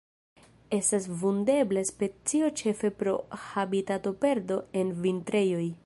Estas vundebla specio ĉefe pro habitatoperdo en vintrejoj.